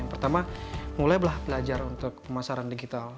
yang pertama mulai belah belajar untuk pemasaran digital